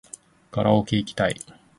カラオケいきたい